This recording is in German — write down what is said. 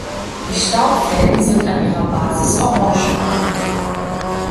Die Staubfäden sind an ihrer Basis orangefarben.